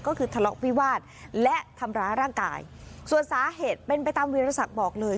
ก็คือทะเลาะวิวาสและทำร้ายร่างกายส่วนสาเหตุเป็นไปตามวิรสักบอกเลย